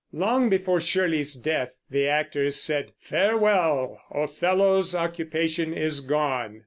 Long before Shirley's death the actors said, "Farewell! Othello's occupation's gone."